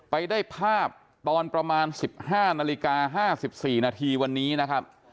ไปได้ภาพตอนประมาณ๑๕นาฬิกา๕๔นาทีวันนี้นะครับ